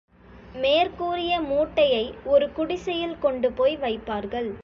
மேற்கூறிய மூட்டையை ஒரு குடிசையில் கொண்டுபோய் வைப்பார்கள்.